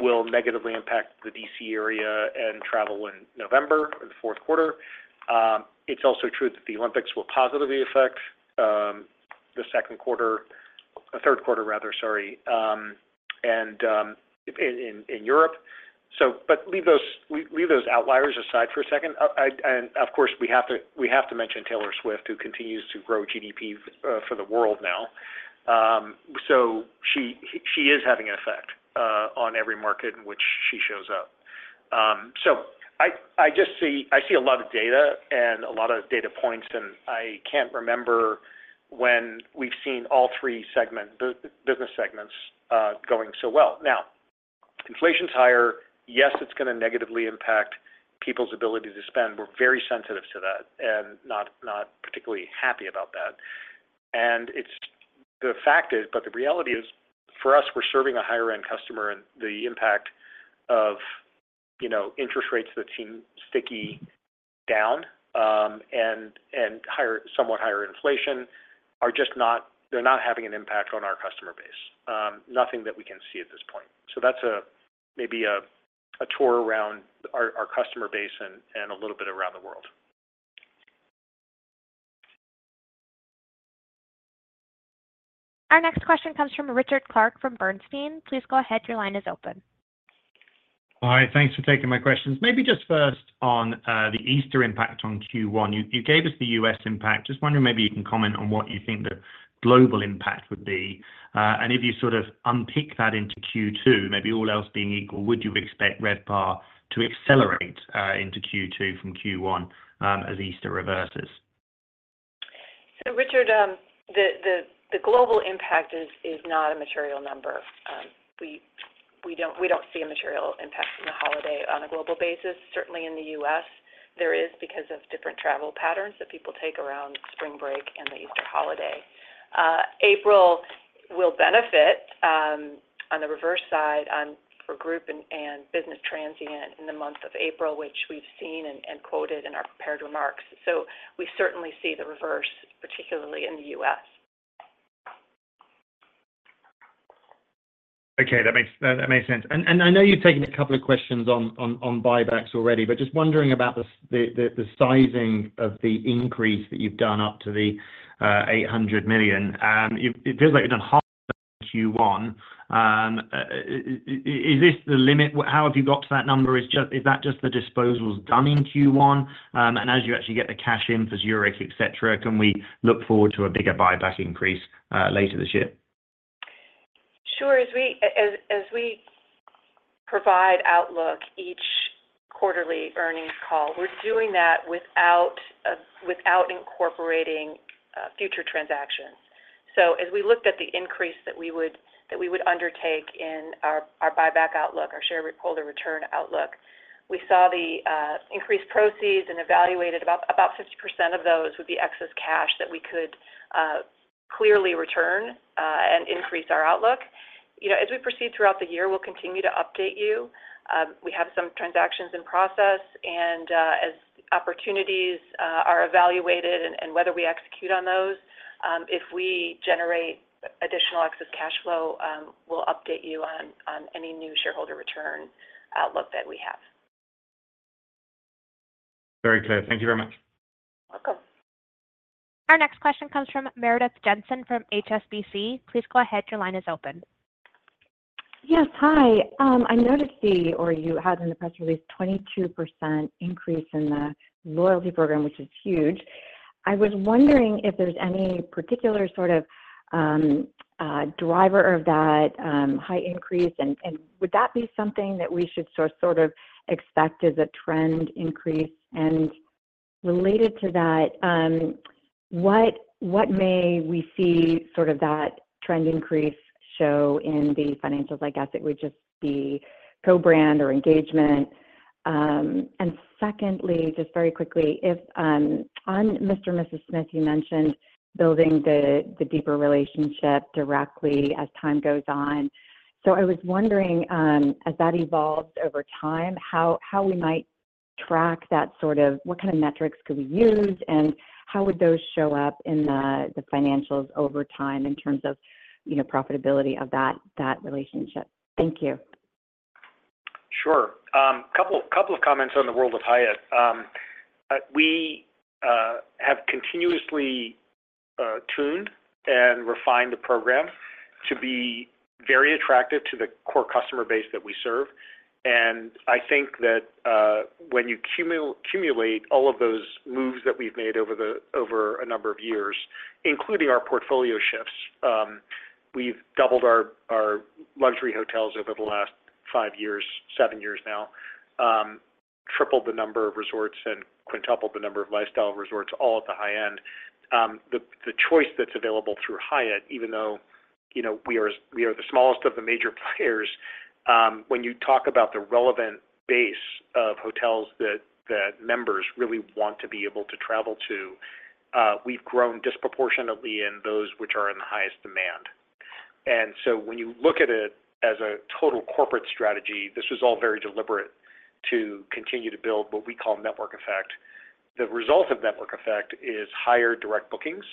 will negatively impact the D.C. area and travel in November in the Q4. It's also true that the Olympics will positively affect the Q3, rather, sorry, in Europe. Leave those outliers aside for a second. Of course, we have to mention Taylor Swift, who continues to grow GDP for the world now. She is having an effect on every market in which she shows up. I just see a lot of data and a lot of data points, and I can't remember when we've seen all three business segments going so well. Now, inflation's higher. Yes, it's going to negatively impact people's ability to spend. We're very sensitive to that and not particularly happy about that. The fact is, but the reality is, for us, we're serving a higher-end customer, and the impact of interest rates that seem sticky down and somewhat higher inflation, they're not having an impact on our customer base, nothing that we can see at this point. So that's maybe a tour around our customer base and a little bit around the world. Our next question comes from Richard Clarke from Bernstein. Please go ahead. Your line is open. Hi. Thanks for taking my questions. Maybe just first on the Easter impact on Q1. You gave us the U.S. impact. Just wondering maybe you can comment on what you think the global impact would be. And if you sort of unpick that into Q2, maybe all else being equal, would you expect RevPAR to accelerate into Q2 from Q1 as Easter reverses? So Richard, the global impact is not a material number. We don't see a material impact in the holiday on a global basis. Certainly, in the U.S., there is because of different travel patterns that people take around spring break and the Easter holiday. April will benefit on the reverse side for Group and business transient in the month of April, which we've seen and quoted in our prepared remarks. So we certainly see the reverse, particularly in the U.S. Okay. That makes sense. And I know you've taken a couple of questions on buybacks already, but just wondering about the sizing of the increase that you've done up to the $800 million. It feels like you've done half of that in Q1. Is this the limit? How have you got to that number? Is that just the disposals done in Q1? And as you actually get the cash in for Zurich, etc., can we look forward to a bigger buyback increase later this year? Sure. As we provide outlook each quarterly earnings call, we're doing that without incorporating future transactions. So as we looked at the increase that we would undertake in our buyback outlook, our shareholder return outlook, we saw the increased proceeds and evaluated about 50% of those would be excess cash that we could clearly return and increase our outlook. As we proceed throughout the year, we'll continue to update you. We have some transactions in process. And as opportunities are evaluated and whether we execute on those, if we generate additional excess cash flow, we'll update you on any new shareholder return outlook that we have. Very clear. Thank you very much. Welcome. Our next question comes from Meredith Jensen from HSBC. Please go ahead. Your line is open. Yes. Hi. I noticed the 22% you had in the press release increase in the loyalty program, which is huge. I was wondering if there's any particular sort of driver of that high increase, and would that be something that we should sort of expect as a trend increase? And related to that, what may we see sort of that trend increase show in the financials? I guess it would just be co-brand or engagement. And secondly, just very quickly, on Mr & Mrs Smith, you mentioned building the deeper relationship directly as time goes on. So I was wondering, as that evolves over time, how we might track that sort of what kind of metrics could we use, and how would those show up in the financials over time in terms of profitability of that relationship? Thank you. Sure. A couple of comments on the World of Hyatt. We have continuously tuned and refined the program to be very attractive to the core customer base that we serve. I think that when you cumulate all of those moves that we've made over a number of years, including our portfolio shifts—we've doubled our luxury hotels over the last 5 years, 7 years now, tripled the number of resorts, and quintupled the number of lifestyle resorts, all at the high end—the choice that's available through Hyatt, even though we are the smallest of the major players, when you talk about the relevant base of hotels that members really want to be able to travel to, we've grown disproportionately in those which are in the highest demand. And so when you look at it as a total corporate strategy, this was all very deliberate to continue to build what we call network effect. The result of network effect is higher direct bookings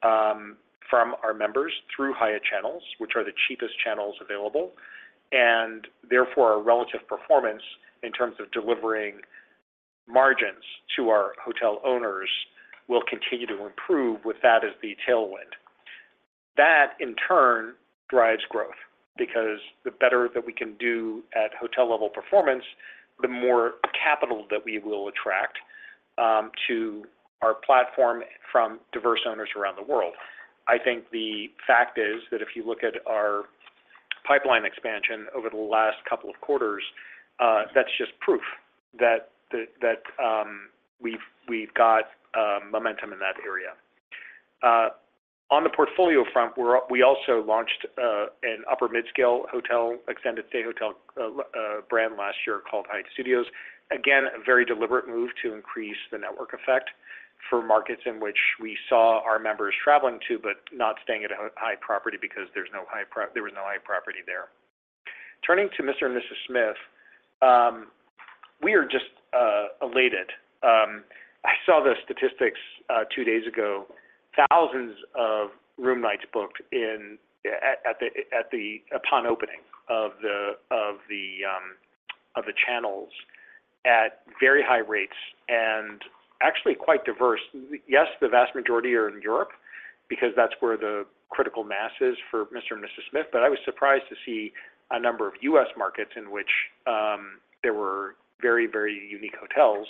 from our members through Hyatt channels, which are the cheapest channels available. Therefore, our relative performance in terms of delivering margins to our hotel owners will continue to improve with that as the tailwind. That, in turn, drives growth because the better that we can do at hotel-level performance, the more capital that we will attract to our platform from diverse owners around the world. I think the fact is that if you look at our pipeline expansion over the last couple of quarters, that's just proof that we've got momentum in that area. On the portfolio front, we also launched an upper-midscale extended-stay hotel brand last year called Hyatt Studios. Again, a very deliberate move to increase the network effect for markets in which we saw our members traveling to but not staying at a Hyatt property because there was no Hyatt property there. Turning to Mr & Mrs Smith, we are just elated. I saw the statistics two days ago. Thousands of room nights booked upon opening of the channels at very high rates and actually quite diverse. Yes, the vast majority are in Europe because that's where the critical mass is for Mr & Mrs Smith. But I was surprised to see a number of U.S. markets in which there were very, very unique hotels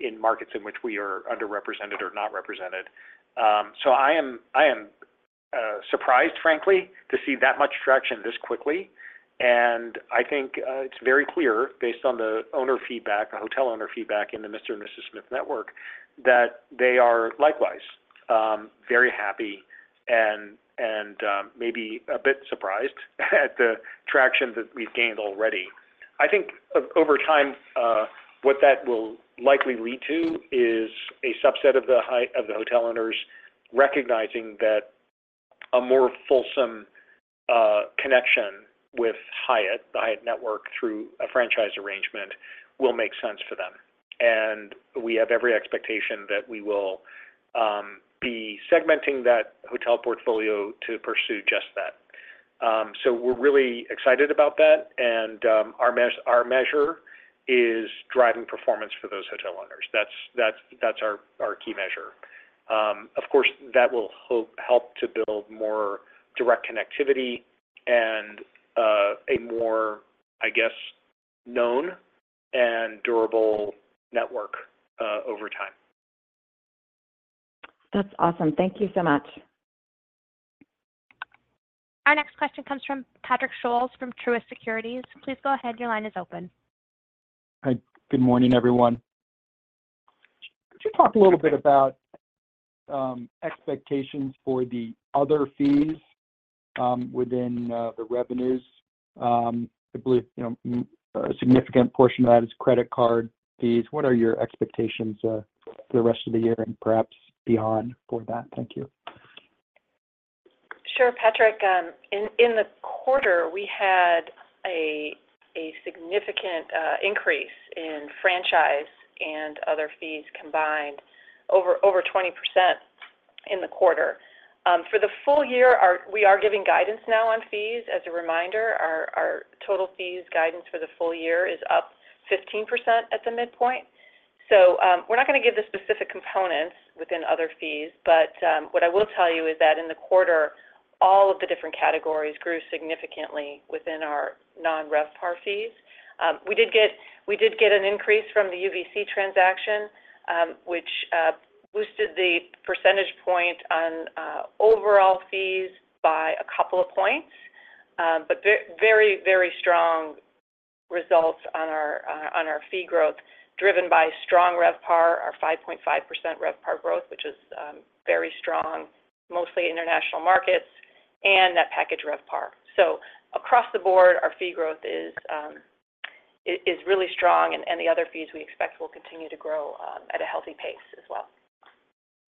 in markets in which we are underrepresented or not represented. So I am surprised, frankly, to see that much traction this quickly. And I think it's very clear, based on the hotel owner feedback in the Mr & Mrs Smith network, that they are likewise very happy and maybe a bit surprised at the traction that we've gained already. I think over time, what that will likely lead to is a subset of the hotel owners recognizing that a more fulsome connection with Hyatt, the Hyatt network, through a franchise arrangement will make sense for them. And we have every expectation that we will be segmenting that hotel portfolio to pursue just that. So we're really excited about that. And our measure is driving performance for those hotel owners. That's our key measure. Of course, that will help to build more direct connectivity and a more, I guess, known and durable network over time. That's awesome. Thank you so much. Our next question comes from Patrick Scholes from Truist Securities. Please go ahead. Your line is open. Hi. Good morning, everyone. Could you talk a little bit about expectations for the other fees within the revenues? I believe a significant portion of that is credit card fees. What are your expectations for the rest of the year and perhaps beyond for that? Thank you. Sure, Patrick. In the quarter, we had a significant increase in franchise and other fees combined, over 20% in the quarter. For the full year, we are giving guidance now on fees. As a reminder, our total fees guidance for the full year is up 15% at the midpoint. So we're not going to give the specific components within other fees. But what I will tell you is that in the quarter, all of the different categories grew significantly within our non-RevPAR fees. We did get an increase from the UVC transaction, which boosted the percentage point on overall fees by a couple of points, but very, very strong results on our fee growth driven by strong RevPAR, our 5.5% RevPAR growth, which is very strong, mostly international markets, and that package RevPAR. So across the board, our fee growth is really strong, and the other fees we expect will continue to grow at a healthy pace as well.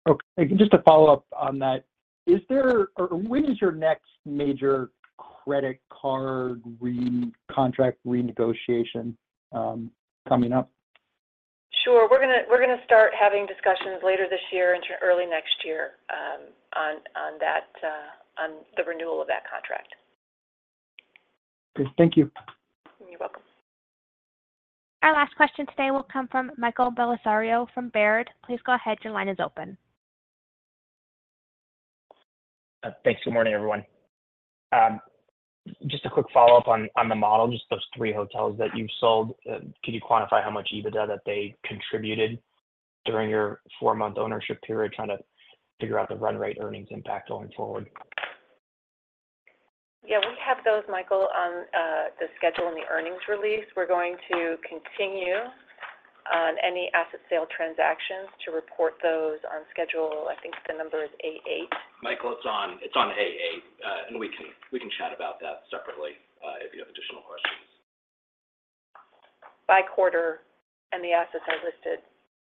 Okay. Just to follow up on that, when is your next major credit card contract renegotiation coming up? Sure. We're going to start having discussions later this year into early next year on the renewal of that contract. Great. Thank you. You're welcome. Our last question today will come from Michael Bellisario from Baird. Please go ahead. Your line is open. Thanks. Good morning, everyone. Just a quick follow-up on the model, just those three hotels that you've sold. Could you quantify how much EBITDA that they contributed during your four-month ownership period, trying to figure out the run rate earnings impact going forward? Yeah. We have those, Michael, on the schedule in the earnings release. We're going to continue on any asset sale transactions to report those on schedule. I think the number is A-8. Michael, it's on A-8. And we can chat about that separately if you have additional questions. By quarter, and the assets are listed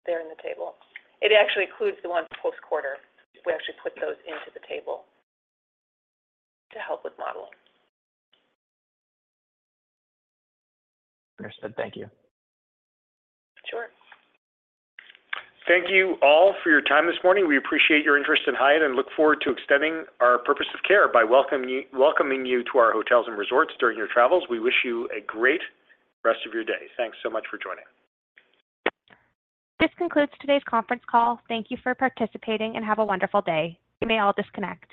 there in the table. It actually includes the ones post-quarter. We actually put those into the table to help with modeling. Understood. Thank you. Sure. Thank you all for your time this morning. We appreciate your interest in Hyatt and look forward to extending our purpose of care by welcoming you to our hotels and resorts during your travels. We wish you a great rest of your day. Thanks so much for joining. This concludes today's conference call. Thank you for participating, and have a wonderful day. You may all disconnect.